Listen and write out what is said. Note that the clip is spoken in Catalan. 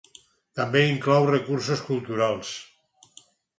També inclou recursos culturals.